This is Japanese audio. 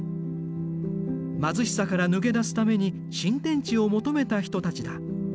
貧しさから抜け出すために新天地を求めた人たちだ。